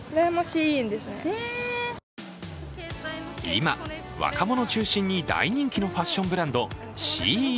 今、若者中心に大人気のファッションブランド、ＳＨＥＩＮ。